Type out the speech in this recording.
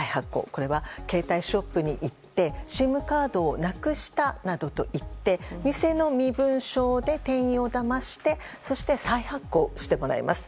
これは携帯ショップに行ってＳＩＭカードをなくしたなどと言って偽の身分証で店員をだましてそして、再発行してもらいます。